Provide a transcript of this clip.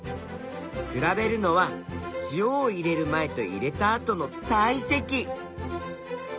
比べるのは塩を入れる前と入れた後の体積。